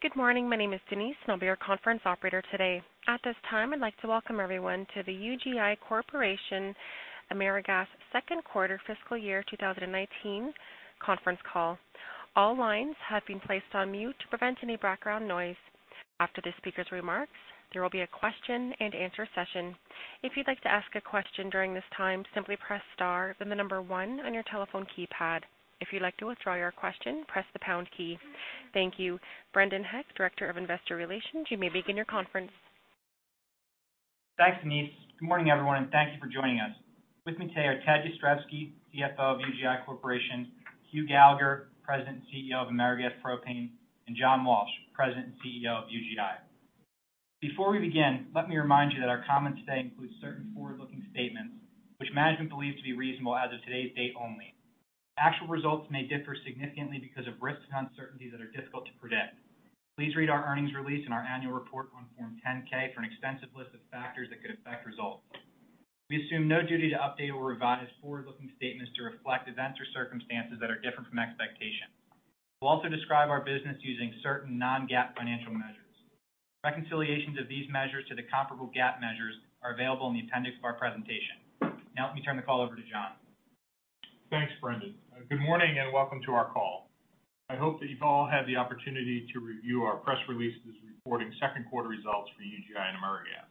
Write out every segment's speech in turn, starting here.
Good morning. My name is Denise, I'll be your conference operator today. At this time, I'd like to welcome everyone to the UGI Corporation AmeriGas second quarter fiscal year 2019 conference call. All lines have been placed on mute to prevent any background noise. After the speaker's remarks, there will be a question and answer session. If you'd like to ask a question during this time, simply press star, then the number one on your telephone keypad. If you'd like to withdraw your question, press the pound key. Thank you. Brendan Heck, Director of Investor Relations, you may begin your conference. Thanks, Denise. Good morning, everyone, thank you for joining us. With me today are Ted Jastrzebski, CFO of UGI Corporation, Hugh Gallagher, President and CEO of AmeriGas Propane, John Walsh, President and CEO of UGI. Before we begin, let me remind you that our comments today include certain forward-looking statements which management believes to be reasonable as of today's date only. Actual results may differ significantly because of risks and uncertainties that are difficult to predict. Please read our earnings release and our annual report on form 10-K for an extensive list of factors that could affect results. We assume no duty to update or revise forward-looking statements to reflect events or circumstances that are different from expectations. We'll also describe our business using certain non-GAAP financial measures. Reconciliations of these measures to the comparable GAAP measures are available in the appendix of our presentation. Let me turn the call over to John. Thanks, Brendan. Good morning and welcome to our call. I hope that you've all had the opportunity to review our press releases reporting second quarter results for UGI and AmeriGas.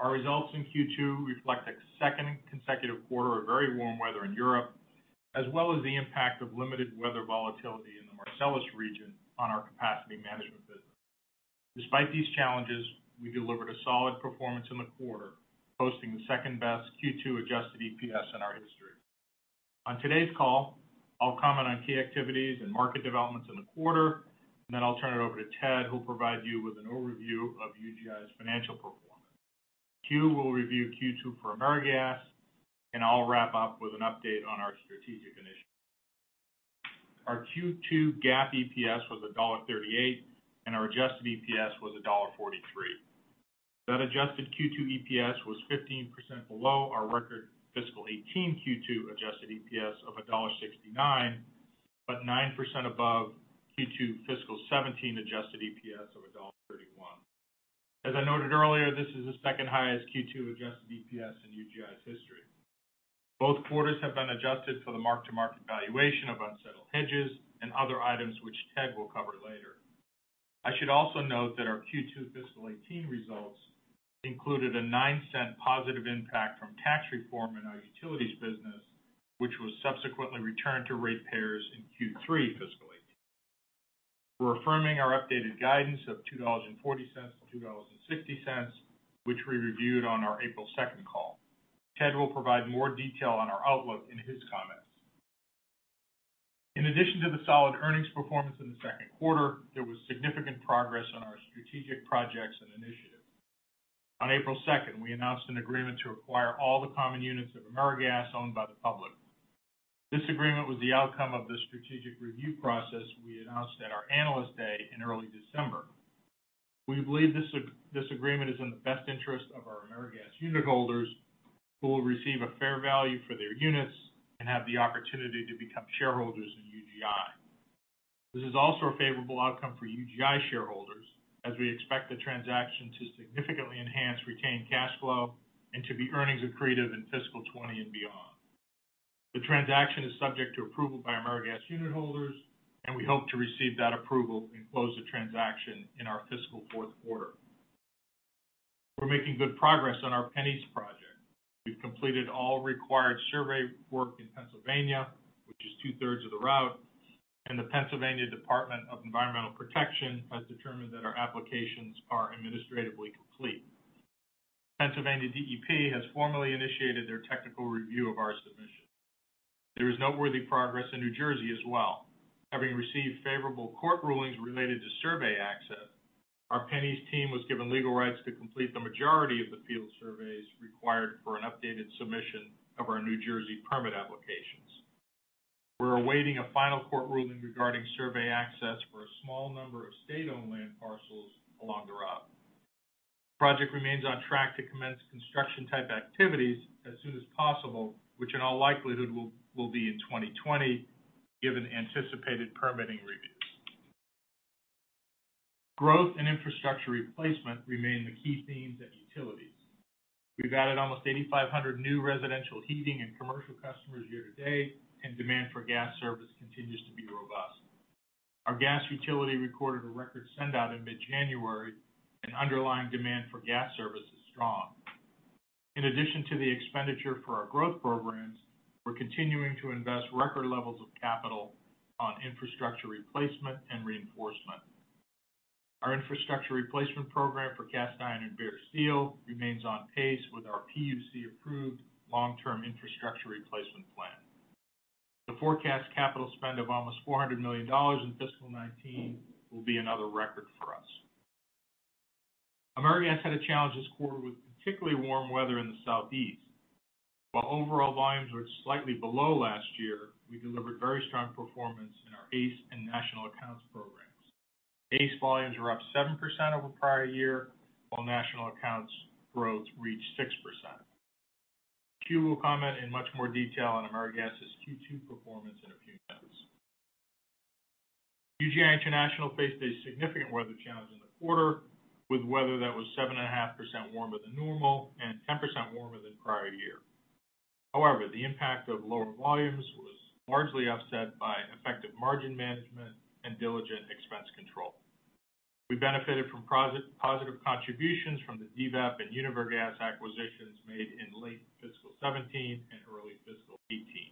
Our results in Q2 reflect a second consecutive quarter of very warm weather in Europe, as well as the impact of limited weather volatility in the Marcellus region on our capacity management business. Despite these challenges, we delivered a solid performance in the quarter, posting the second-best Q2 adjusted EPS in our history. On today's call, I'll comment on key activities and market developments in the quarter, I'll turn it over to Ted, who'll provide you with an overview of UGI's financial performance. Hugh will review Q2 for AmeriGas, I'll wrap up with an update on our strategic initiatives. Our Q2 GAAP EPS was $1.38, our adjusted EPS was $1.43. That adjusted Q2 EPS was 15% below our record fiscal 2018 Q2 adjusted EPS of $1.69, but 9% above Q2 fiscal 2017 adjusted EPS of $1.31. As I noted earlier, this is the second highest Q2 adjusted EPS in UGI's history. Both quarters have been adjusted for the mark-to-market valuation of unsettled hedges and other items which Ted will cover later. I should also note that our Q2 fiscal 2018 results included a $0.09 positive impact from tax reform in our utilities business, which was subsequently returned to ratepayers in Q3 fiscal 2018. We are affirming our updated guidance of $2.40-$2.60, which we reviewed on our April 2nd call. Ted will provide more detail on our outlook in his comments. In addition to the solid earnings performance in the second quarter, there was significant progress on our strategic projects and initiatives. On April 2nd, we announced an agreement to acquire all the common units of AmeriGas owned by the public. This agreement was the outcome of the strategic review process we announced at our Analyst Day in early December. We believe this agreement is in the best interest of our AmeriGas unit holders, who will receive a fair value for their units and have the opportunity to become shareholders in UGI. This is also a favorable outcome for UGI shareholders, as we expect the transaction to significantly enhance retained cash flow and to be earnings accretive in fiscal 2020 and beyond. The transaction is subject to approval by AmeriGas unit holders, and we hope to receive that approval and close the transaction in our fiscal fourth quarter. We are making good progress on our PennEast project. We have completed all required survey work in Pennsylvania, which is two-thirds of the route, and the Pennsylvania Department of Environmental Protection has determined that our applications are administratively complete. Pennsylvania DEP has formally initiated their technical review of our submission. There is noteworthy progress in New Jersey as well. Having received favorable court rulings related to survey access, our PennEast team was given legal rights to complete the majority of the field surveys required for an updated submission of our New Jersey permit applications. We are awaiting a final court ruling regarding survey access for a small number of state-owned land parcels along the route. The project remains on track to commence construction-type activities as soon as possible, which in all likelihood will be in 2020 given anticipated permitting reviews. Growth and infrastructure replacement remain the key themes at utilities. We have added almost 8,500 new residential heating and commercial customers year-to-date, and demand for gas service continues to be robust. Our gas utility recorded a record sendout in mid-January, and underlying demand for gas service is strong. In addition to the expenditure for our growth programs, we are continuing to invest record levels of capital on infrastructure replacement and reinforcement. Our infrastructure replacement program for cast iron and bare steel remains on pace with our PUC-approved long-term infrastructure replacement plan. The forecast capital spend of almost $400 million in fiscal 2019 will be another record for us. AmeriGas had a challenging quarter with particularly warm weather in the Southeast. While overall volumes were slightly below last year, we delivered very strong performance in our ACE and National Accounts programs. ACE volumes were up 7% over prior year, while National Accounts growth reached 6%. Hugh will comment in much more detail on AmeriGas's Q2 performance in a few minutes. UGI International faced a significant weather challenge in the quarter, with weather that was 7.5% warmer than normal and 10% warmer than prior year. The impact of lower volumes was largely offset by effective margin management and diligent expense control. We benefited from positive contributions from the DVEP and UniverGas acquisitions made in late fiscal 2017 and early fiscal 2018.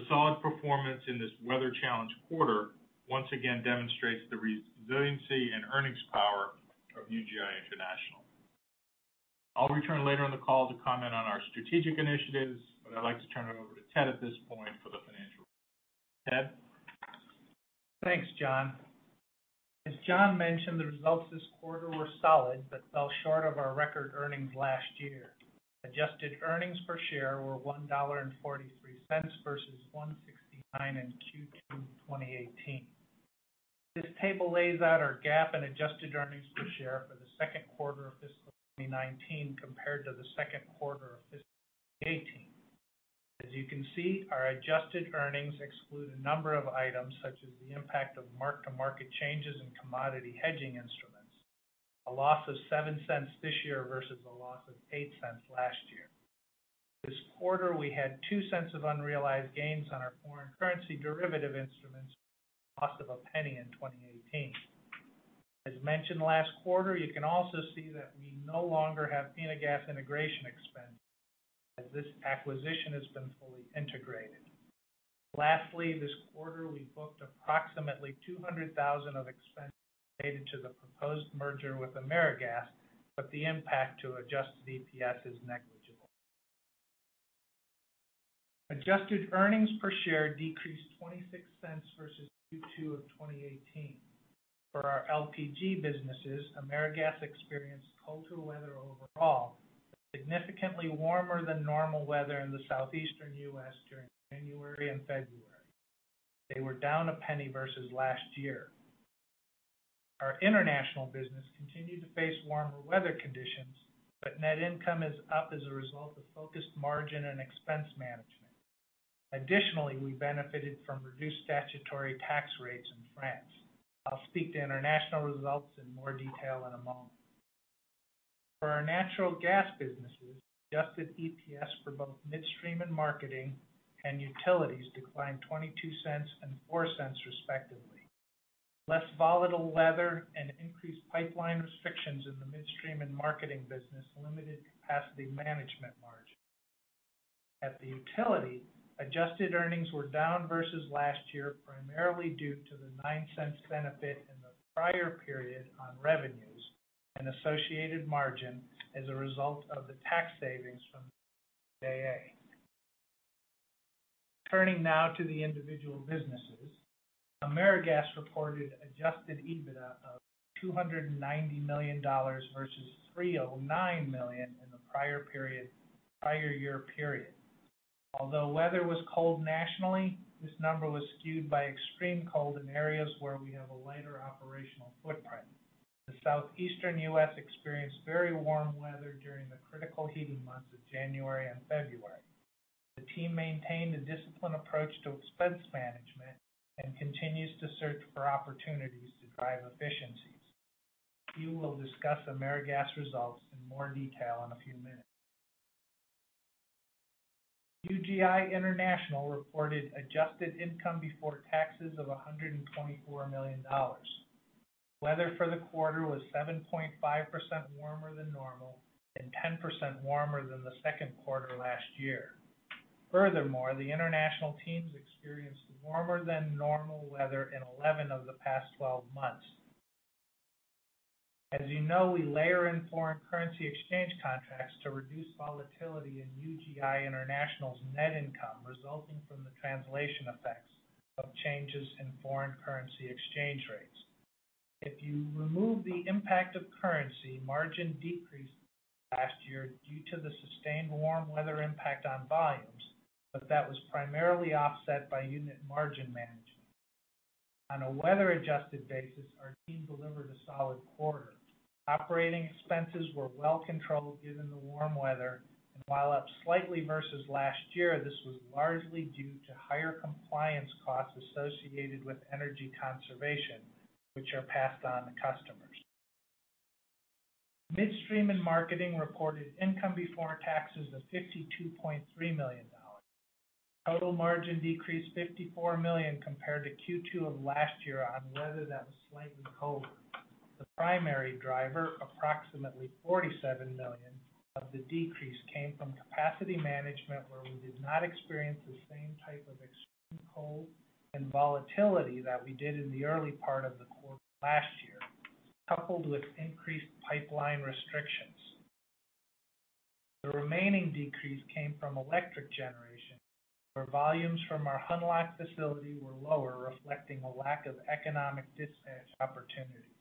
The solid performance in this weather-challenged quarter once again demonstrates the resiliency and earnings power of UGI International. I'll return later in the call to comment on our strategic initiatives. I'd like to turn it over to Ted at this point for the financial. Ted? Thanks, John. As John mentioned, the results this quarter were solid but fell short of our record earnings last year. Adjusted earnings per share were $1.43 versus $1.69 in Q2 2018. This table lays out our GAAP and adjusted earnings per share for the second quarter of fiscal 2019 compared to the second quarter of fiscal 2018. As you can see, our adjusted earnings exclude a number of items, such as the impact of mark-to-market changes in commodity hedging instruments, a loss of $0.07 this year versus a loss of $0.08 last year. This quarter, we had $0.02 of unrealized gains on our foreign currency derivative instruments, versus a loss of $0.01 in 2018. As mentioned last quarter, you can also see that we no longer have Finagaz integration expenses, as this acquisition has been fully integrated. Lastly, this quarter, we booked approximately $200,000 of expenses related to the proposed merger with AmeriGas. The impact to adjusted EPS is negligible. Adjusted earnings per share decreased $0.26 versus Q2 of 2018. For our LPG businesses, AmeriGas experienced colder weather overall. Significantly warmer-than-normal weather in the southeastern U.S. during January and February. They were down $0.01 versus last year. Our international business continued to face warmer weather conditions. Net income is up as a result of focused margin and expense management. Additionally, we benefited from reduced statutory tax rates in France. I'll speak to international results in more detail in a moment. For our natural gas businesses, adjusted EPS for both Midstream and Marketing and utilities declined $0.22 and $0.04 respectively. Less volatile weather and increased pipeline restrictions in the Midstream and Marketing business limited capacity management margin. At the utility, adjusted earnings were down versus last year, primarily due to the $0.09 benefit in the prior period on revenues and associated margin as a result of the tax savings from JEA. Turning now to the individual businesses. AmeriGas reported adjusted EBITDA of $290 million versus $309 million in the prior year period. Weather was cold nationally. This number was skewed by extreme cold in areas where we have a lighter operational footprint. The southeastern U.S. experienced very warm weather during the critical heating months of January and February. The team maintained a disciplined approach to expense management and continues to search for opportunities to drive efficiencies. Hugh will discuss AmeriGas results in more detail in a few minutes. UGI International reported adjusted income before taxes of $124 million. Weather for the quarter was 7.5% warmer than normal and 10% warmer than the second quarter last year. Furthermore, the international teams experienced warmer-than-normal weather in 11 of the past 12 months. As you know, we layer in foreign currency exchange contracts to reduce volatility in UGI International's net income resulting from the translation effects of changes in foreign currency exchange rates. If you remove the impact of currency, margin decreased last year due to the sustained warm weather impact on volumes, but that was primarily offset by unit margin management. On a weather-adjusted basis, our team delivered a solid quarter. Operating expenses were well controlled given the warm weather, and while up slightly versus last year, this was largely due to higher compliance costs associated with energy conservation, which are passed on to customers. Midstream and Marketing reported income before taxes of $52.3 million. Total margin decreased $54 million compared to Q2 of last year on weather that was slightly colder. The primary driver, approximately $47 million of the decrease, came from capacity management, where we did not experience the same type of extreme cold and volatility that we did in the early part of the quarter last year, coupled with increased pipeline restrictions. The remaining decrease came from electric generation, where volumes from our Hunlock facility were lower, reflecting a lack of economic dispatch opportunities.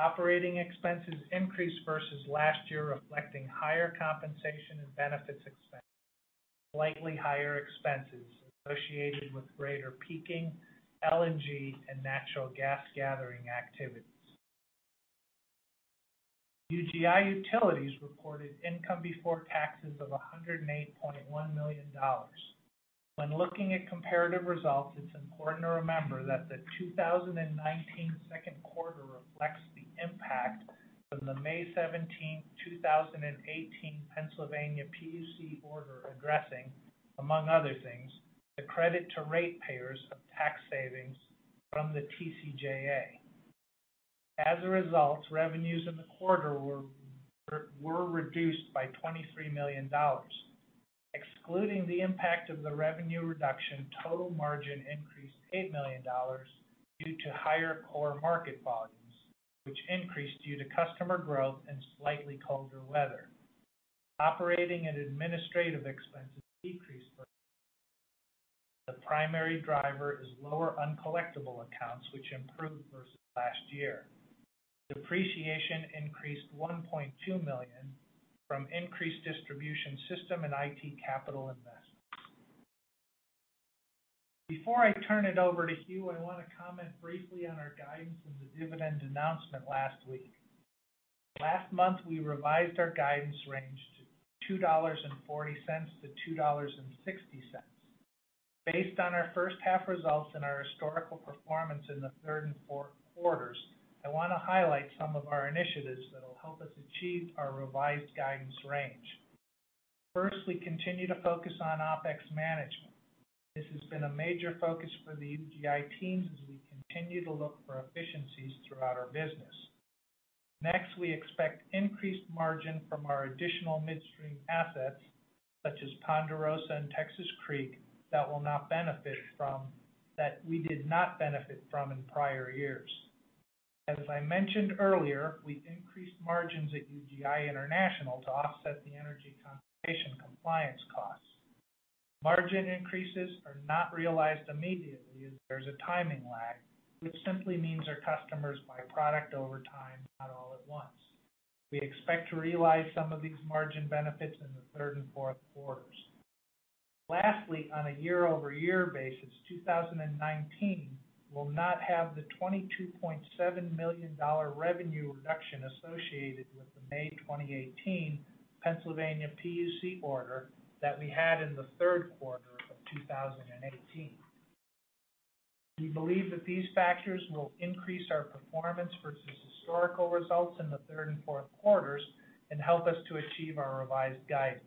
Operating expenses increased versus last year, reflecting higher compensation and benefits expenses, and slightly higher expenses associated with greater peaking, LNG, and natural gas gathering activities. UGI Utilities reported income before taxes of $108.1 million. When looking at comparative results, it's important to remember that the 2019 second quarter reflects the impact from the May 17th, 2018 Pennsylvania PUC order addressing, among other things, the credit to ratepayers of tax savings from the TCJA. As a result, revenues in the quarter were reduced by $23 million. Excluding the impact of the revenue reduction, total margin increased $8 million due to higher core market volumes, which increased due to customer growth and slightly colder weather. Operating and administrative expenses decreased versus last year. The primary driver is lower uncollectible accounts, which improved versus last year. Depreciation increased $1.2 million from increased distribution system and IT capital investments. Before I turn it over to Hugh, I want to comment briefly on our guidance and the dividend announcement last week. Last month, we revised our guidance range to $2.40 to $2.60. Based on our first half results and our historical performance in the third and fourth quarters, I want to highlight some of our initiatives that'll help us achieve our revised guidance range. First, we continue to focus on OPEX management. This has been a major focus for the UGI teams as we continue to look for efficiencies throughout our business. Next, we expect increased margin from our additional midstream assets, such as Ponderosa and Texas Creek, that we did not benefit from in prior years. As I mentioned earlier, we increased margins at UGI International to offset the energy compensation compliance costs. Margin increases are not realized immediately, as there's a timing lag, which simply means our customers buy product over time, not all at once. We expect to realize some of these margin benefits in the third and fourth quarters. Lastly, on a year-over-year basis, 2019 will not have the $22.7 million revenue reduction associated with the May 2018 Pennsylvania PUC order that we had in the third quarter of 2018. We believe that these factors will increase our performance versus historical results in the third and fourth quarters and help us to achieve our revised guidance.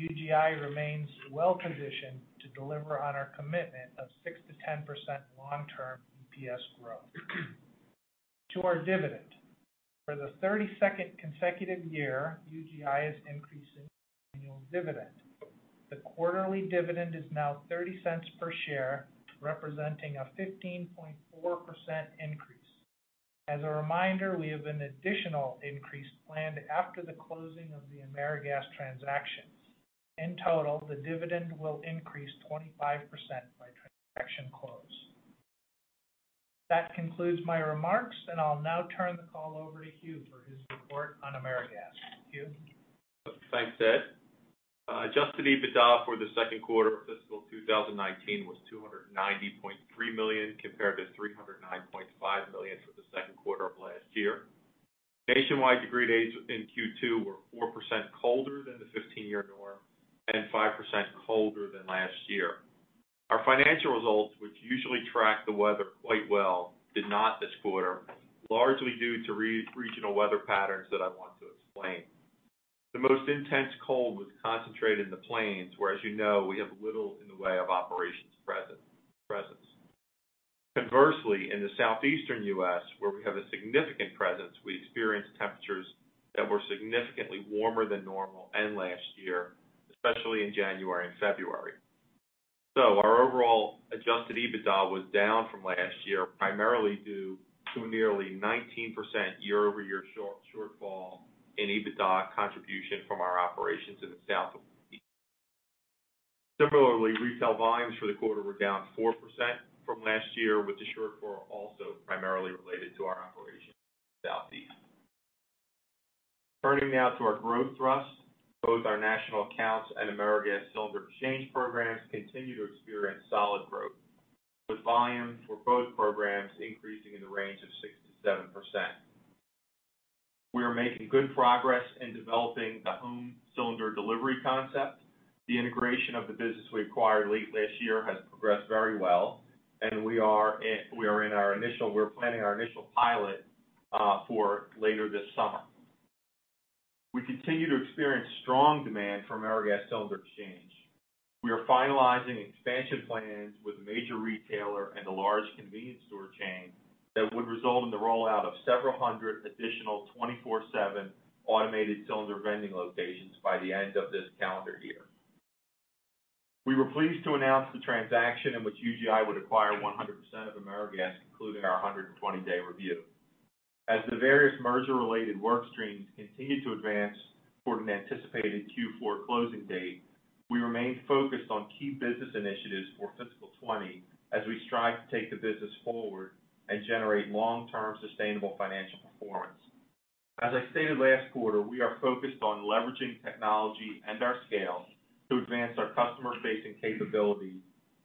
UGI remains well-positioned to deliver on our commitment of 6%-10% long-term EPS growth. To our dividend. For the 32nd consecutive year, UGI is increasing annual dividend. The quarterly dividend is now $0.30 per share, representing a 15.4% increase. As a reminder, we have an additional increase planned after the closing of the AmeriGas transaction. In total, the dividend will increase 25% by transaction close. That concludes my remarks. I'll now turn the call over to Hugh for his report on AmeriGas. Hugh? Thanks, Ted. Adjusted EBITDA for the second quarter of fiscal 2019 was $290.3 million, compared to $309.5 million for the second quarter of last year. Nationwide degree days within Q2 were 4% colder than the 15-year norm and 5% colder than last year. Our financial results, which usually track the weather quite well, did not this quarter, largely due to regional weather patterns that I want to explain. The most intense cold was concentrated in the plains, where, as you know, we have little in the way of operations presence. Conversely, in the southeastern U.S., where we have a significant presence, we experienced temperatures that were significantly warmer than normal and last year, especially in January and February. Our overall adjusted EBITDA was down from last year, primarily due to a nearly 19% year-over-year shortfall in EBITDA contribution from our operations in the Southeast. Similarly, retail volumes for the quarter were down 4% from last year, with the shortfall also primarily related to our operations in the Southeast. Turning now to our growth thrust. Both our National Accounts and AmeriGas Cylinder Exchange programs continue to experience solid growth, with volumes for both programs increasing in the range of 6%-7%. We are making good progress in developing the home cylinder delivery concept. The integration of the business we acquired late last year has progressed very well, and we are planning our initial pilot for later this summer. We continue to experience strong demand for AmeriGas Cylinder Exchange. We are finalizing expansion plans with a major retailer and a large convenience store chain that would result in the rollout of several hundred additional 24/7 automated cylinder vending locations by the end of this calendar year. We were pleased to announce the transaction in which UGI would acquire 100% of AmeriGas, concluding our 120-day review. As the various merger-related work streams continue to advance toward an anticipated Q4 closing date, we remain focused on key business initiatives for fiscal 2020 as we strive to take the business forward and generate long-term sustainable financial performance. As I stated last quarter, we are focused on leveraging technology and our scale to advance our customer-facing capabilities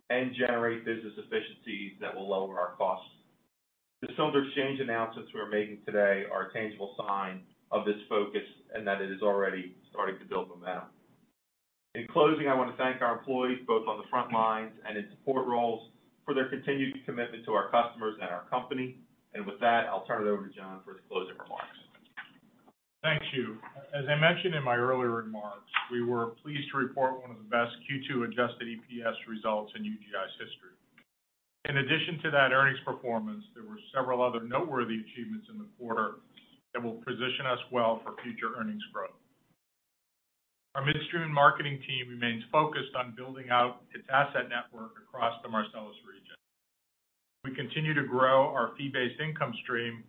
and generate business efficiencies that will lower our costs. The sales exchange announcements we are making today are a tangible sign of this focus and that it is already starting to build momentum. In closing, I want to thank our employees, both on the front lines and in support roles, for their continued commitment to our customers and our company. With that, I'll turn it over to John for his closing remarks. Thank you. As I mentioned in my earlier remarks, we were pleased to report one of the best Q2 adjusted EPS results in UGI's history. In addition to that earnings performance, there were several other noteworthy achievements in the quarter that will position us well for future earnings growth. Our Midstream and Marketing team remains focused on building out its asset network across the Marcellus region. We continue to grow our fee-based income stream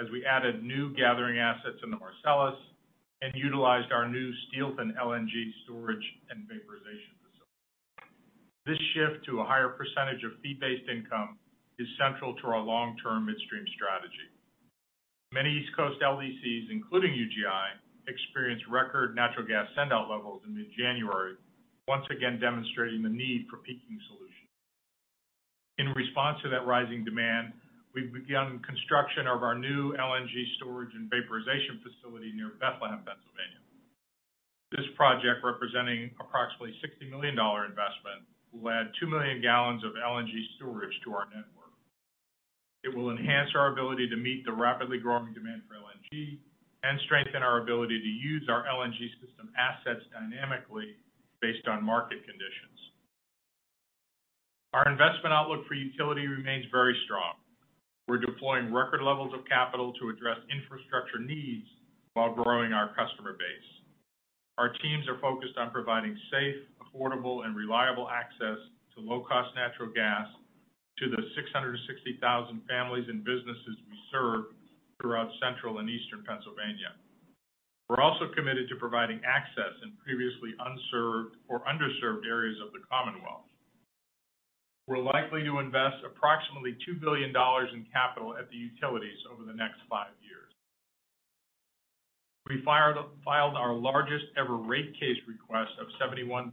as we added new gathering assets in the Marcellus and utilized our new Steelton LNG storage and vaporization facility. This shift to a higher % of fee-based income is central to our long-term midstream strategy. Many East Coast LDCs, including UGI, experienced record natural gas send-out levels in mid-January, once again demonstrating the need for peaking solutions. In response to that rising demand, we've begun construction of our new LNG storage and vaporization facility near Bethlehem, Pennsylvania. This project, representing approximately a $60 million investment, will add 2 million gallons of LNG storage to our network. It will enhance our ability to meet the rapidly growing demand for LNG and strengthen our ability to use our LNG system assets dynamically based on market conditions. Our investment outlook for utility remains very strong. We're deploying record levels of capital to address infrastructure needs while growing our customer base. Our teams are focused on providing safe, affordable, and reliable access to low-cost natural gas to the 660,000 families and businesses we serve throughout central and eastern Pennsylvania. We're also committed to providing access in previously unserved or underserved areas of the Commonwealth. We're likely to invest approximately $2 billion in capital at the utilities over the next five years. We filed our largest-ever rate case request of $71.1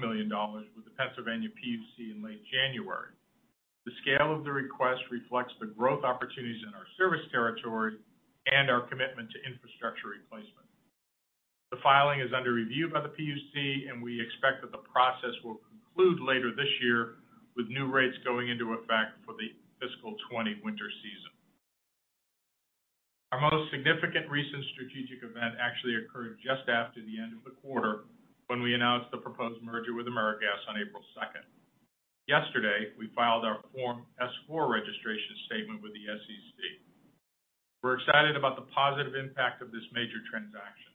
million with the Pennsylvania PUC in late January. The scale of the request reflects the growth opportunities in our service territory and our commitment to infrastructure replacement. The filing is under review by the PUC, and we expect that the process will conclude later this year, with new rates going into effect for the fiscal 2020 winter season. Our most significant recent strategic event actually occurred just after the end of the quarter, when we announced the proposed merger with AmeriGas on April 2nd. Yesterday, we filed our Form S-4 registration statement with the SEC. We're excited about the positive impact of this major transaction.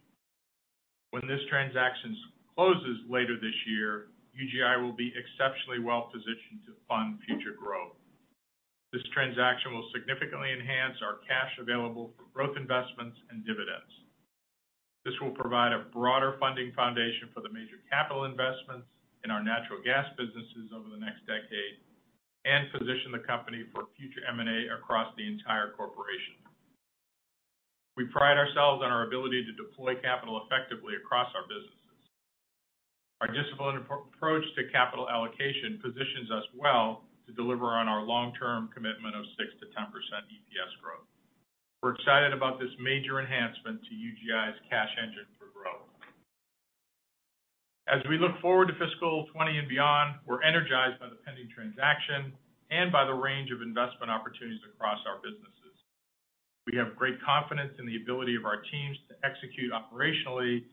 When this transaction closes later this year, UGI will be exceptionally well-positioned to fund future growth. This transaction will significantly enhance our cash available for growth investments and dividends. This will provide a broader funding foundation for the major capital investments in our natural gas businesses over the next decade and position the company for future M&A across the entire corporation. We pride ourselves on our ability to deploy capital effectively across our businesses. Our disciplined approach to capital allocation positions us well to deliver on our long-term commitment of 6%-10% EPS growth. We're excited about this major enhancement to UGI's cash engine for growth. As we look forward to fiscal 2020 and beyond, we're energized by the pending transaction and by the range of investment opportunities across our businesses. We have great confidence in the ability of our teams to execute operationally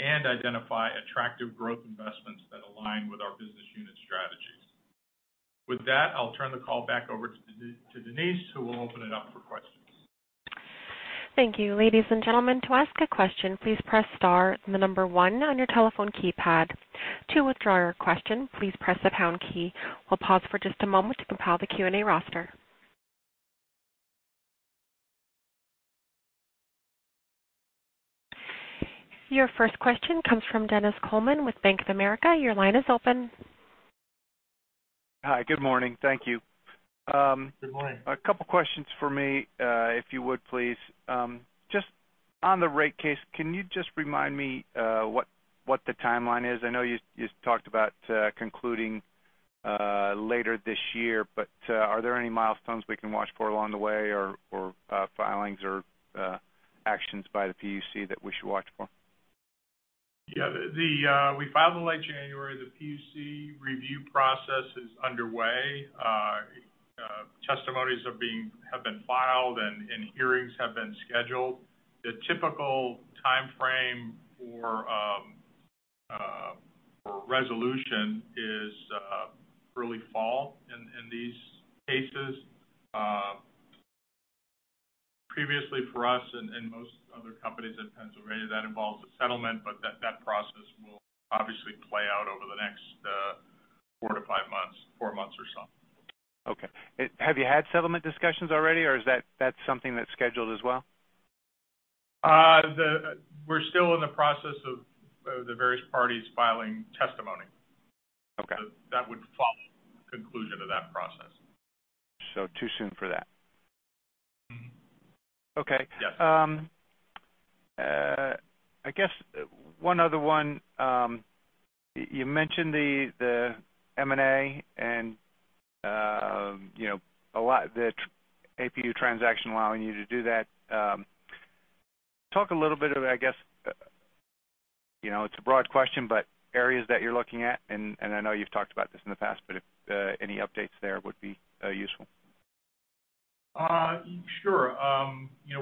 and identify attractive growth investments that align with our business unit strategies. With that, I'll turn the call back over to Denise, who will open it up for questions. Thank you. Ladies and gentlemen, to ask a question, please press star then the number 1 on your telephone keypad. To withdraw your question, please press the pound key. We'll pause for just a moment to compile the Q&A roster. Your first question comes from Dennis Coleman with Bank of America. Your line is open. Hi, good morning. Thank you. Good morning. A couple of questions from me, if you would please. Just on the rate case, can you just remind me what the timeline is? I know you talked about concluding later this year, are there any milestones we can watch for along the way, or filings, or actions by the PUC that we should watch for? Yeah. We filed in late January. The PUC review process is underway. Testimonies have been filed. Hearings have been scheduled. The typical timeframe for resolution is early fall in these cases. Previously for us, and most other companies in Pennsylvania, that involves a settlement. That process will obviously play out over the next four to five months. Four months or so. Okay. Have you had settlement discussions already? Is that something that's scheduled as well? We're still in the process of the various parties filing testimonies. That would follow conclusion of that process. Too soon for that? Okay. Yes. I guess one other one. You mentioned the M&A and the AmeriGas Partners transaction allowing you to do that. Talk a little bit about, it's a broad question, but areas that you're looking at, and I know you've talked about this in the past, but if any updates there would be useful. Sure.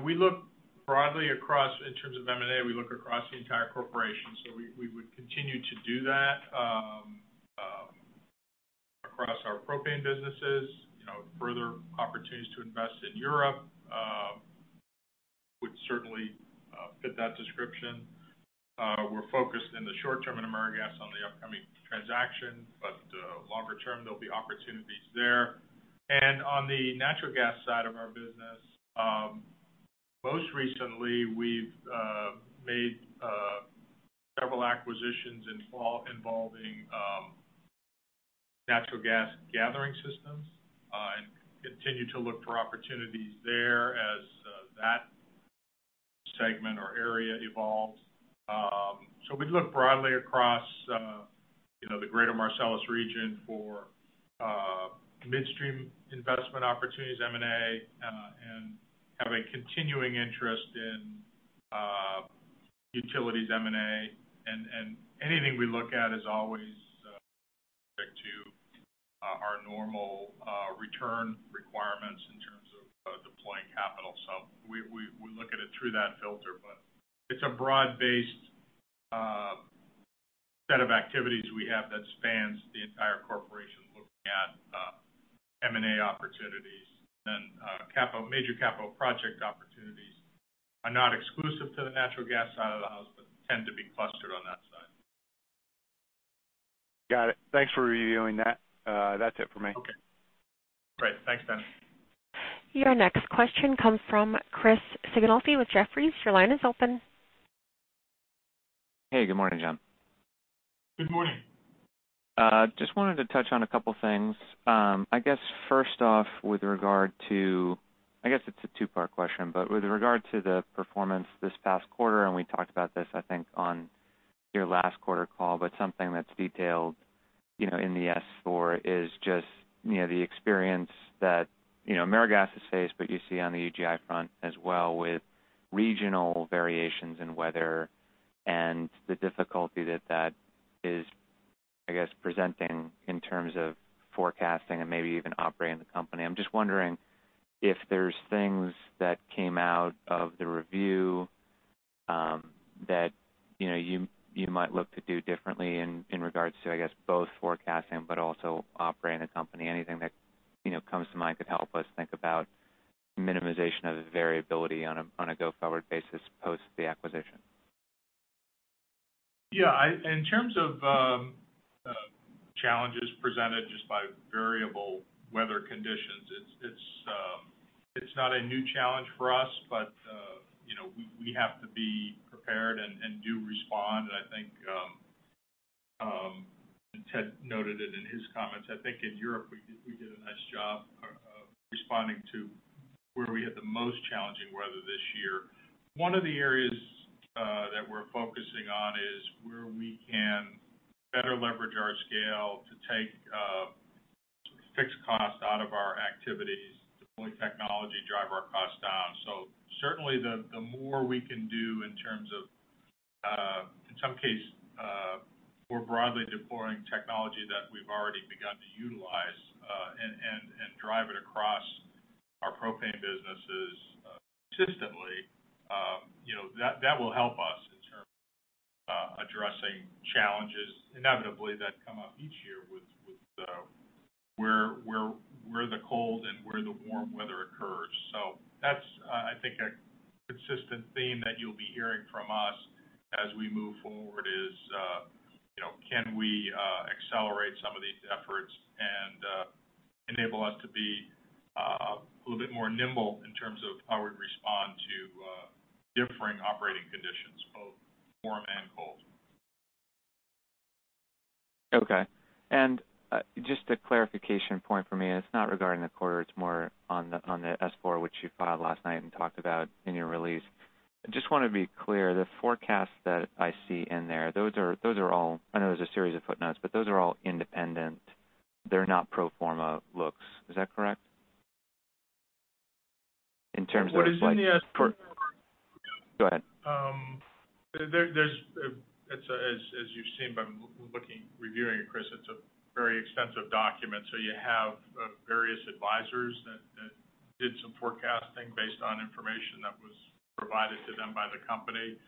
We look broadly across, in terms of M&A, we look across the entire corporation. We would continue to do that across our propane businesses. Further opportunities to invest in Europe would certainly fit that description. We're focused in the short term in AmeriGas on the upcoming transaction, but longer term, there'll be opportunities there. On the natural gas side of our business, most recently, we've made several acquisitions involving natural gas gathering systems, and continue to look for opportunities there as that segment or area evolves. We'd look broadly across the greater Marcellus region for midstream investment opportunities, M&A, and have a continuing interest in utilities M&A. Anything we look at is always subject to our normal return requirements in terms of deploying capital. We look at it through that filter, but it's a broad-based set of activities we have that spans the entire corporation looking at M&A opportunities. Major capital project opportunities are not exclusive to the natural gas side of the house, but tend to be clustered on that side. Got it. Thanks for reviewing that. That's it for me. Okay. Great. Thanks, Dennis. Your next question comes from Chris Sighinolfi with Jefferies. Your line is open. Hey, good morning, John. Good morning. Just wanted to touch on a couple things. I guess it's a two-part question, but with regard to the performance this past quarter, and we talked about this, I think, on your last quarter call, but something that's detailed in the S4 is just the experience that AmeriGas has faced, but you see on the UGI front as well, with regional variations in weather and the difficulty that that is presenting in terms of forecasting and maybe even operating the company. I'm just wondering if there's things that came out of the review that you might look to do differently in regards to both forecasting but also operating the company. Anything that comes to mind could help us think about minimization of the variability on a go-forward basis post the acquisition. Yeah. In terms of challenges presented just by variable weather conditions, it's not a new challenge for us. We have to be prepared and do respond. I think Ted noted it in his comments. I think in Europe we did a nice job of responding to where we had the most challenging weather this year. One of the areas that we're focusing on is where we can better leverage our scale to take fixed costs out of our activities, deploy technology, drive our costs down. Certainly the more we can do in terms of, in some case, more broadly deploying technology that we've already begun to utilize, and drive it across our propane businesses consistently, that will help us in terms of addressing challenges inevitably that come up each year with where the cold and where the warm weather occurs. That's, I think, a consistent theme that you'll be hearing from us as we move forward is can we accelerate some of these efforts and enable us to be a little bit more nimble in terms of how we'd respond to differing operating conditions, both warm and cold. Okay. Just a clarification point for me, it's not regarding the quarter, it's more on the S4 which you filed last night and talked about in your release. I just want to be clear, the forecast that I see in there, I know there's a series of footnotes, those are all independent. They're not pro forma looks. Is that correct? What is in the S-4? Go ahead. As you've seen by reviewing it, Chris, it's a very extensive document. You have various advisors that did some forecasting based on information that was provided to them by the company.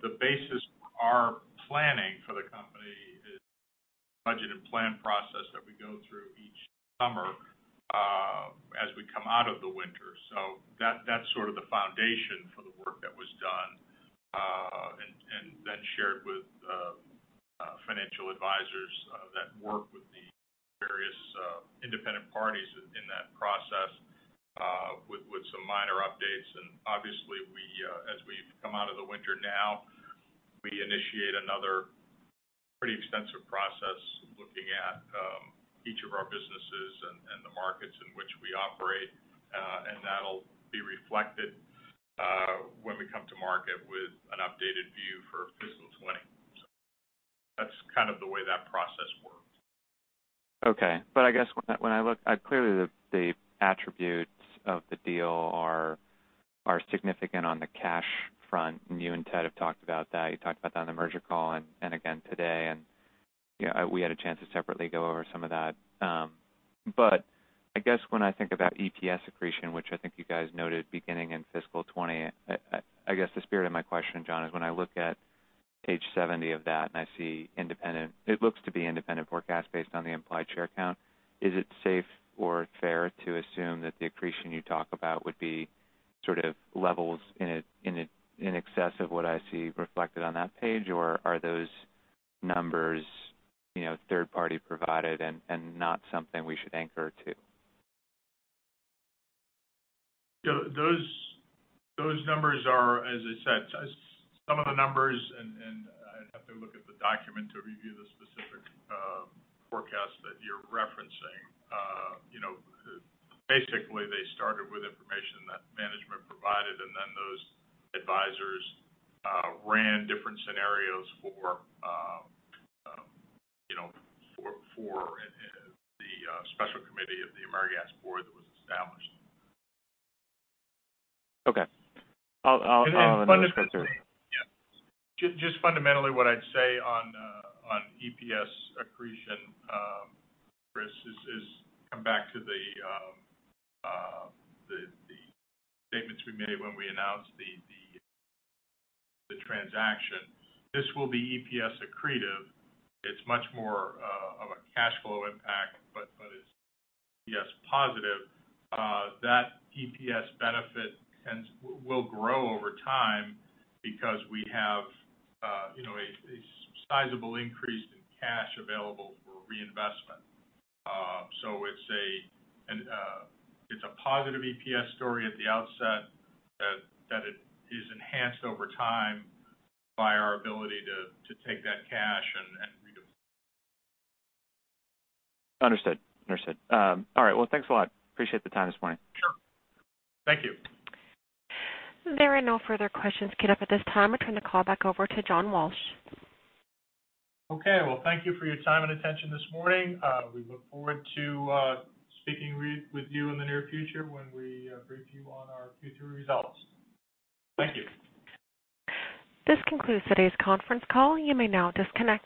The basis for our planning for the company is budget and plan process that we go through each summer as we come out of the winter. That's sort of the foundation for the work that was done, and then shared with financial advisors that work with the various independent parties. Now we initiate another pretty extensive process looking at each of our businesses and the markets in which we operate. That'll be reflected when we come to market with an updated view for fiscal 2020. That's kind of the way that process works. Okay. I guess when I look Clearly, the attributes of the deal are significant on the cash front, and you and Ted have talked about that. You talked about that on the merger call and again today, and we had a chance to separately go over some of that. I guess when I think about EPS accretion, which I think you guys noted beginning in fiscal 2020, I guess the spirit of my question, John, is when I look at page 70 of that and I see it looks to be independent forecast based on the implied share count. Is it safe or fair to assume that the accretion you talk about would be sort of levels in excess of what I see reflected on that page? Are those numbers third-party provided and not something we should anchor to? Those numbers are, as I said, some of the numbers. I'd have to look at the document to review the specific forecast that you're referencing. Basically, they started with information that management provided, then those advisors ran different scenarios for the special committee of the AmeriGas board that was established. Okay. fundamentally. let it go through. Yeah. Just fundamentally what I'd say on EPS accretion, Chris, is come back to the statements we made when we announced the transaction. This will be EPS accretive. It's much more of a cash flow impact, but is EPS positive. That EPS benefit will grow over time because we have a sizable increase in cash available for reinvestment. It's a positive EPS story at the outset that it is enhanced over time by our ability to take that cash and redeploy. Understood. All right. Thanks a lot. Appreciate the time this morning. Sure. Thank you. There are no further questions queued up at this time. Returning the call back over to John Walsh. Okay. Well, thank you for your time and attention this morning. We look forward to speaking with you in the near future when we brief you on our future results. Thank you. This concludes today's conference call. You may now disconnect.